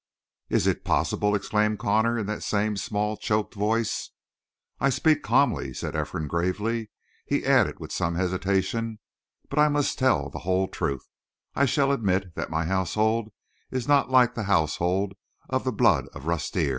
"Is it possible?" exclaimed Connor in that same, small, choked voice. "I speak calmly," said Ephraim gravely. He added with some hesitation: "But if I must tell the whole truth, I shall admit that my household is not like the household of the blood of Rustir.